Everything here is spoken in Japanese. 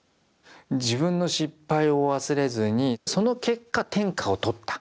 自分の失敗を忘れずにその結果天下を取った。